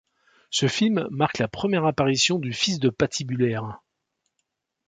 Ce film marque la première apparition du fils de Pat Hibulaire.